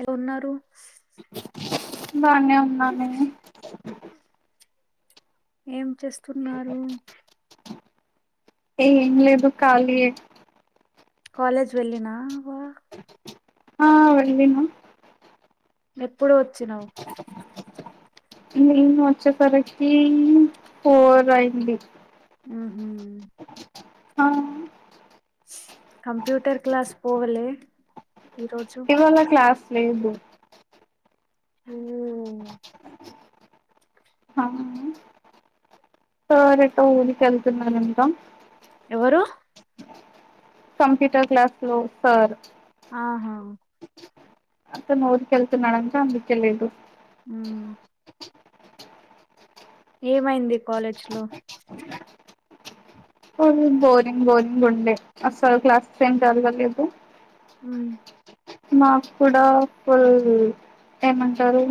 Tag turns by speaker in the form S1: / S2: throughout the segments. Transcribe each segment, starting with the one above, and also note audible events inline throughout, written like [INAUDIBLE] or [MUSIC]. S1: ఎలా ఉన్నారు
S2: బానే ఉన్నా. నువ్వు?
S1: ఏం చేస్తున్నారు?
S2: ఏం లేదు కాళీయే
S1: కాలేజ్ వెళ్ళి నా వా
S2: ఆ వెళ్లినా
S1: ఎప్పుడు వచ్చినవ్.
S2: నేను వచ్చేసరికి ఫోర్ అయింది.
S1: ఊహ్మ్
S2: ఆ
S1: కంప్యూటర్ క్లాస్ పోవలే. ఈరోజు
S2: ఇవాళ క్లాస్ లేదు.
S1: ఊమ్
S2: ఆ సార్ ఎటో ఊరి కెళ్తుంనారంటా.
S1: ఎవరు?
S2: కంప్యూటర్ క్లాస్ లో సార్.
S1: ఆహా
S2: అతను ఊరుకెళ్తున్నాడంట అందుకె లేదు.
S1: ఉమ్ ఏమైంది కాలేజ్ లో
S2: కొంచెం బోరింగ్ బోరింగ్ ఉండే అస్సలు క్లాసెస్ ఏం జరగలేదు.
S1: ఉమ్
S2: మాకు కూడా ఫుల్ ఏమంటరు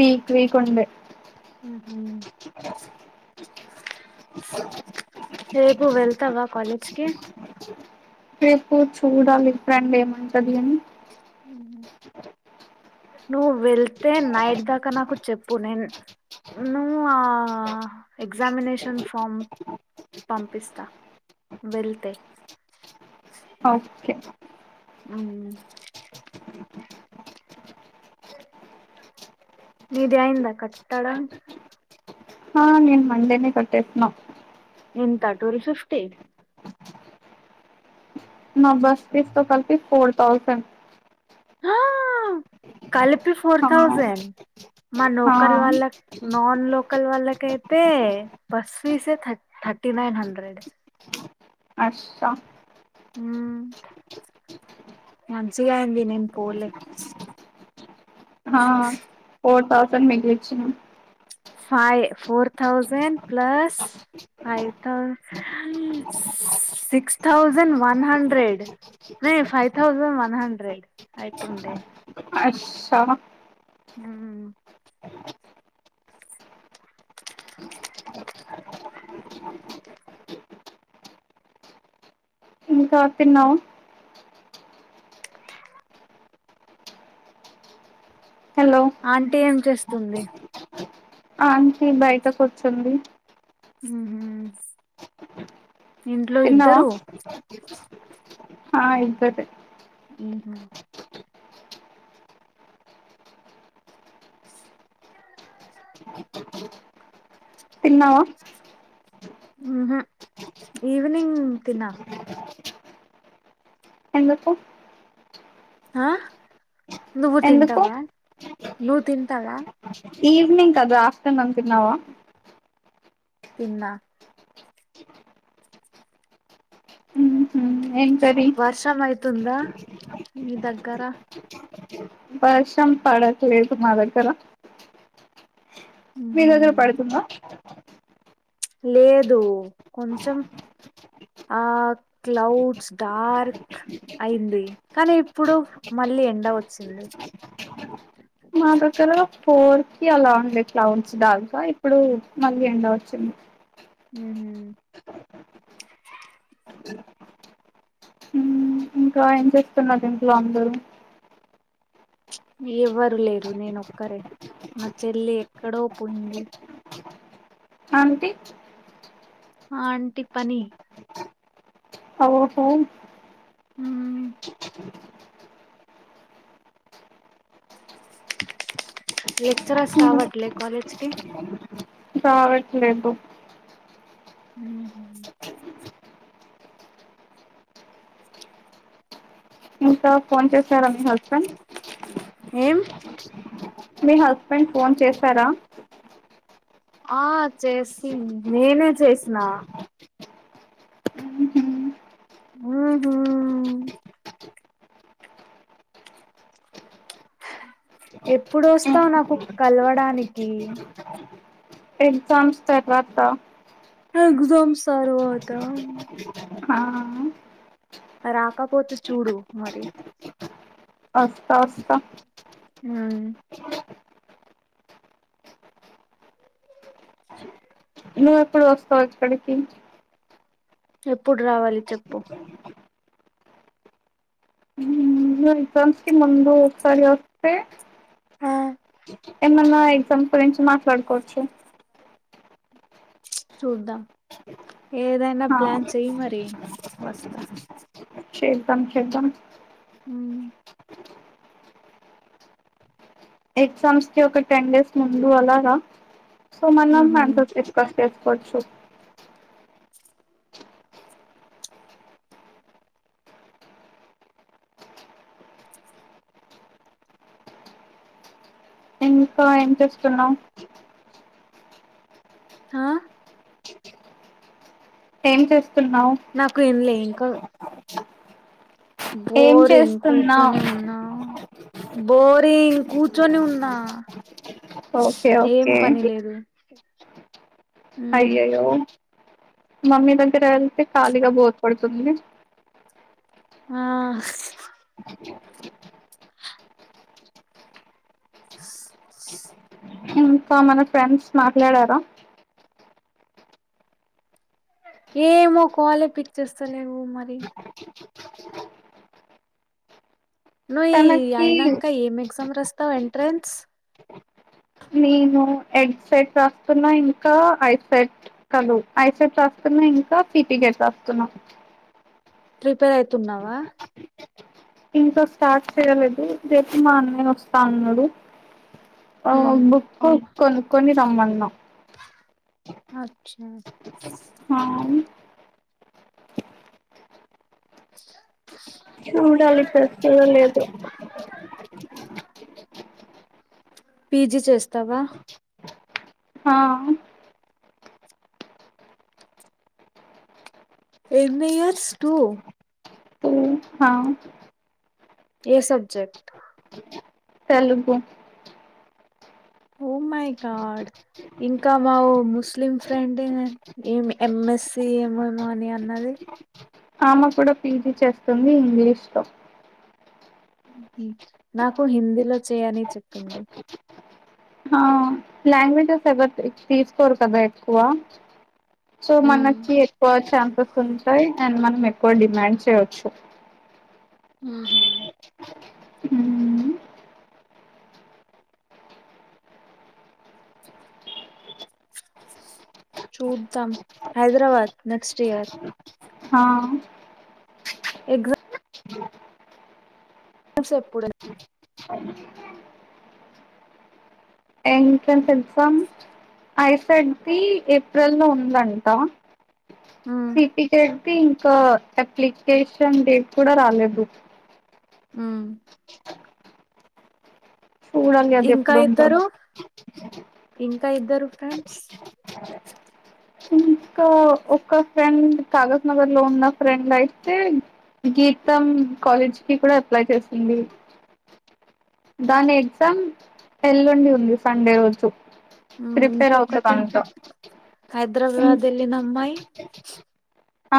S2: వీక్ వీక్ ఉండే
S1: ఆహా రేపు వెళ్తవా కాలేజ్కి?
S2: రేపు చూడాలి ఫ్రెండ్ ఏమంటది అని.
S1: హుహ్ నువ్వు వెళ్తే నైట్ దాకా నాకు చెప్పు నేన్ నువ్వు ఆ ఎగ్జామినేషన్ ఫామ్ పంపిస్తా వెళ్తే.
S2: ఓకే
S1: ఉహ్ నీది అయిందా కట్టడం.
S2: హా నేన్ మండేనే కట్టేసినా.
S1: ఎంత ట్వల్ ఫిఫ్టీ
S2: నా బస్సు ఫీస్తో కల్పి ఫోర్ థౌజెండ్.
S1: హా కలి పి ఫోర్
S2: ఆ
S1: థౌసండ్. మా
S2: ఆ
S1: లోకల్ వాళ్ళకు నాన్ లోక లోకల్ వాళ్ళకు అయితే బస్సు ఫీజే థ థర్టీ నైన్ హండ్రెడ్.
S2: అశ్శా
S1: హ్మ్ మంచిగయింది నేను పోలే.
S2: హా ఫోర్ థౌజండ్ మిగిలిచ్చినవు.
S1: Five four thousand plus five thousand ఆ సిక్స్ థౌజండ్ వన్ హండ్రెడ్. అరే ఫైవ్ థౌజండ్ వన్ హండ్రెడ్ అయితుండే.
S2: అశ్శా
S1: హ్మ్
S2: ఇంకా తిన్నవా. హలో
S1: ఆంటీ ఏం చేస్తుంది?
S2: ఆంటీ బయట కూర్చుంది.
S1: హూహ్
S2: తిన్నావా ఆ ఇంకా తిం
S1: ఊహు
S2: తిన్నావా
S1: ఊహు ఈవ్నింగ్ తిన
S2: ఎందుకు
S1: ఆ నువ్వు
S2: ఎందుకు
S1: తింటవా ను తింటవా
S2: ఈవ్నింగ్ కద ఆఫ్టర్నూన్ అనుకున్నావా
S1: తిన్నా
S2: ఉహు ఏం కర్రీ
S1: వర్షం అయితుందా మీ దగ్గర?
S2: వర్షం పడట్లేదు మా దగ్గర మీ
S1: ఉహు
S2: దగ్గర పడుతుందా
S1: లేదు కొంచెం ఆ క్లౌడ్స్ డార్క్ అయింది కానీ ఇప్పుడు మళ్ళీ ఎండ వచ్చింది
S2: మా దగ్గర ఫోర్ కి అలాన్ క్లౌడ్స్ దాల్కా ఇప్పుడు మళ్ళీ ఎండ వచ్చింది
S1: ఊ
S2: ఇంకా ఏం చేస్తున్నారు ఇంట్లో అందరూ
S1: ఎవ్వరు లేరు నేను ఒక్కరే నా చెల్లె ఎక్కడో పోయింది
S2: ఆంటీట్
S1: ఆంటి పని
S2: ఓహో
S1: ఊ లెక్చరర్స్ రావట్లే కాలజ్ కి
S2: రావట్లేదు
S1: ఊ హూ
S2: ఇంకా ఫోన్ చేసారా మీ హస్బెండ్
S1: ఏం
S2: మీ హస్బెండ్ ఫోన్ చేశారా
S1: ఆ చేసిండ్ నేనే చేసిన ఊహు ఎప్పుడు వస్తావ్ నాకు కలవడానికి
S2: ఎగ్జామ్స్ తర్వాత
S1: ఎగు జామ్ తర్వాత
S2: ఆ
S1: రాకపోతే చూడు మరి
S2: వస్తా వస్తా
S1: ఊ
S2: నువ్వు ఎప్పుడు వస్తావు ఇక్కడికి
S1: ఎప్పుడు రావాలి చెప్పు
S2: నువు ఎగ్జామ్స్ కి ముందు ఒకసారి వస్తే ఏమన్నా ఎగ్జామ్ గురించి మాట్లాడుకోవచ్చు
S1: చూద్దాం ఏదైనా ప్లాన్ చేయ్ మరి వస్తా
S2: చేద్దాం చేద్దాం
S1: ఉమ్
S2: ఎగ్జామ్స్ కి ఒక టెన్ డేస్ ముందు అలాగా సో మనం
S1: ఊహూ
S2: ఆన్సర్స్ డిస్కస్ చేసుకోవచ్చు ఇంకా ఏం చేస్తున్నావు
S1: ఆ
S2: ఏం చేస్
S1: నాకు ఏంలే ఇంకా
S2: ఏం
S1: బోర్ంగ్
S2: చేస్తున్నావు
S1: కూర్చొని ఉన్నా బోరింగ్ కూర్చొని ఉన్నా
S2: ఓకే
S1: ఏం
S2: ఓకే
S1: పని లేదు [UNINTELLIGIBLE] ఉమ్
S2: అయ్యయో మమ్మీ దగ్గర వెళ్తే ఖాళీగా బోర్ కొడుతుంది
S1: ఆ [UNINTELLIGIBLE]
S2: ఇంకా మన ఫ్రెండ్స్ మాట్లాడారా
S1: ఏమో కోలే పిక్ చేస్తలేవు మరి నువ్ ఈ
S2: తనకి
S1: అయినాంక ఏం ఎగ్జామ్ రాస్తావు ఎంట్రెన్స్
S2: నేను ఎడ్ సెట్ రాస్తున్నా ఇంకా ఐ సెట్ కలు ఐసెట్ రాస్తున్నా ఇంకా ఫీటికతతున్నా
S1: ప్రిపేర్ అయితున్నావా
S2: ఇంకా స్టార్ట్ చేయలేదు రేపు మా అన్నే వస్తాన్నాడు ఆ
S1: ఉమ్,
S2: బుక్ కొనుక్కొని రమ్మన్నాం
S1: అచ్చా
S2: హా చూడాలి ఇక్కడ చూడ లేదు
S1: పీజీ చేస్తావా
S2: హ
S1: ఎన్ ఇయర్స్ టూ
S2: హా
S1: ఏ subject
S2: Telugu
S1: oh my god ఇంకా మా ఓ ముస్లిం ఫ్రెండ్ ఏం ఎం ఎస్సి ఏమోమో అని అన్నది
S2: ఆమె కూడా పీజీ చేస్తుంది ఇంగ్లీష్ లో
S1: ఉహు నాకు హిందీలో చేయని చెప్పింది.
S2: ఆ లాంగ్వేజెస్ ఎవరు తీసుకోరు కదా ఎక్కువ, సో
S1: ఉమ్,
S2: మనకి ఎక్కువ ఛాన్సెస్ ఉంటై అండ్ మనం ఎక్కువ డిమాండ్ చేయవచ్చు,
S1: హుహు చూద్దాం హైదరాబాద్ నెక్స్ట్ ఇయర్
S2: హా
S1: ఎగ్జా మ్స్ ఎప్పుడే
S2: entrance exam I CET the April లో ఉందంట
S1: ఉమ్,
S2: సి టి గెడ్ తే ఇంకా అప్లికేషన్ డేట్ కూడా రాలేదు
S1: ఉ
S2: చూడాలి అది
S1: ఇంకా
S2: ఎప్పుడు ఉంటదో
S1: కా ఇద్దరు ఫ్రెండ్స్
S2: ఇంకా ఒక ఫ్రెండ్ కాగజ్ నగర్ లో ఉన్న ఫ్రెండ్ అయితే గీతం కాలేజ్ కి కూడా అప్లై చేసింది. దాని ఎగ్జామ్ ఎల్లుండి ఉంది, సండే రోజు
S1: ఉమ్
S2: ప్రిపేర్
S1: ఇంకొకటి
S2: అవుతదంట
S1: హైదరాబాద్ వెళ్ళిన అమ్మాయి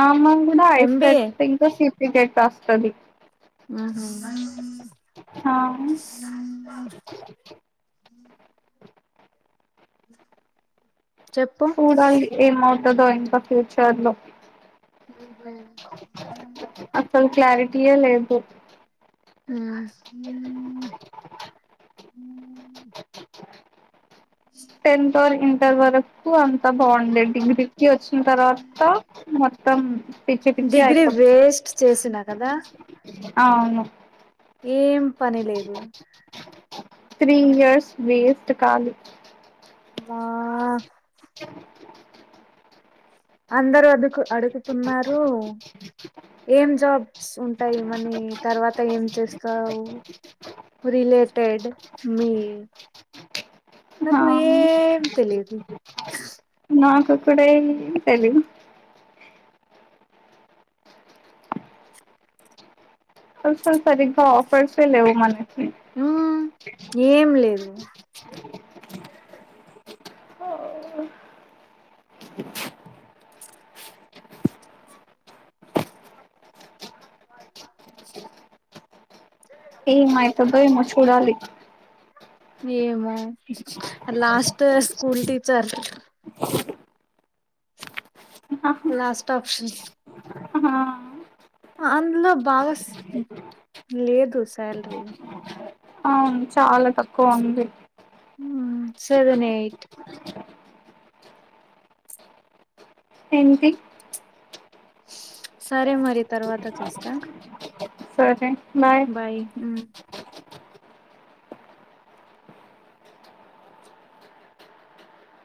S2: ఆమ కూడా ఐ
S1: ఎంబిఏ
S2: సెట్ ఇంకా సిప్లికెట్ రాస్తాది
S1: ఆహా
S2: ఆ
S1: చెప్పు
S2: చూడాలి ఏమవుతదో ఇంకా ఫ్యూచర్ లో
S1: ఉమ్ హు ఉమ్
S2: తీయలేదు పో
S1: ఉమ్
S2: అంత వరకు అంత బాగుండే డిగ్రీకి వచ్చిన తర్వాత మొత్తం పిచ్చి పిచ్చి
S1: డిగ్రీ
S2: అయిపోతుంది
S1: వేస్ట్ చేసినా కదా
S2: ఆవును
S1: ఏం పని లేదు
S2: త్రీ ఇయర్స్ వెస్ట్ ఖాళీ
S1: మా
S2: చెప్
S1: అందరు అడుకు అడుగుతున్నారు ఏం జాబ్స్ ఉంటాయి మణి తర్వాత ఏం చేస్తావు రిలేటెడ్ మీ
S2: ఆ
S1: నాకు ఏం తెలిదు
S2: నాకు కూడా ఏం తెలిదు అసలు సరిగా ఆఫర్స్యే లేవు మన
S1: ఉమ్ ఏం లేవు
S2: ఆ హ్ ఏం అయితదో ఏమో చూడాలి
S1: ఏమో లాస్ట్ స్కూల్ టీచర్
S2: అవును
S1: లాస్ట్ ఆప్షన్ అందులో బాగా లేదు శాలరీ
S2: అవును చాలా తక్కువ ఉంది
S1: ఉమ్ సెవెన్ ఎయిట్
S2: ఏంటి
S1: సరే మరి తర్వాత చేస్తా
S2: సరే
S1: బాయ్ ఉమ్